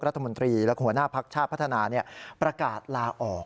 รัฐมนตรีและหัวหน้าภักดิ์ชาติพัฒนาประกาศลาออก